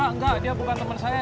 engga dia bukan temen saya